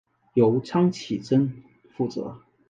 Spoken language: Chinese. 由张启珍负责。